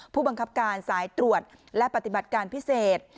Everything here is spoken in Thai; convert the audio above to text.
ผู้บังคับการสายตรวจและปฏิบัติการพิเศษ